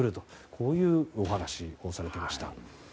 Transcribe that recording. こういうお話をされていました。